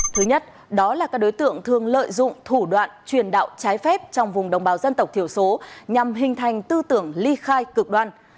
thứ nhất đó là các đối tượng thường lợi dụng thủ đoạn truyền đạo trái phép trong vùng đồng bào dân tộc thiểu số nhằm hình thành tư tưởng ly khai cực đoan